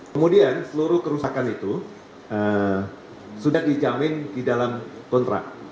kemudian seluruh kerusakan itu sudah dijamin di dalam kontrak